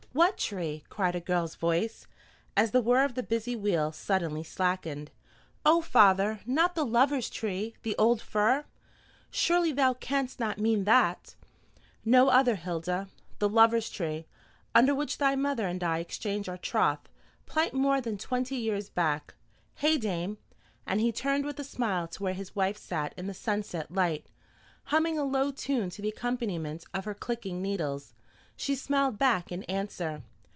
"What tree?" cried a girl's voice, as the whir of the busy wheel suddenly slackened. "Oh, father, not the Lovers' Tree, the old fir? Surely thou canst not mean that?" "No other, Hilda; the Lovers' Tree, under which thy mother and I exchanged our troth plight more than twenty years back. Hey, dame?" And he turned with a smile to where his wife sat in the sunset light, humming a low tune to the accompaniment of her clicking needles. She smiled back in answer.